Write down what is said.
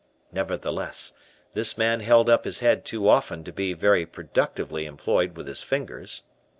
Nevertheless, this man held up his head too often to be very productively employed with his fingers.